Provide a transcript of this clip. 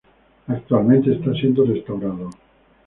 Actualmente está siendo restaurado.